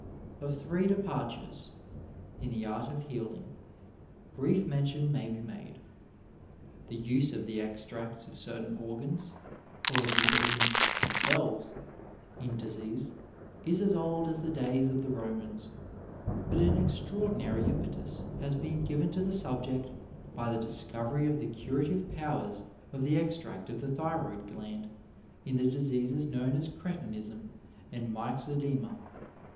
Of three departures in the art of healing, brief mention may be made. The use of the extracts of certain organs (or of the organs themselves) in disease is as old as the days of the Romans, but an extraordinaiy impetus has been given to the subject by the discovery of the curative 271 I Digitized by VjOOQ IC _ J MEDIQNE IN THE NINETEENTH CENTURY powen of the eztaract of the thyroid gland in the diseases known as cretinism and myxcedema.